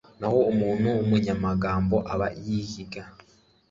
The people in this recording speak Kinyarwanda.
naho umuntu w'umunyamagambo aba yihiga